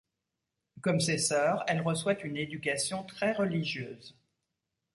Comme ses sœurs, elle reçoit une éducation très religieuse.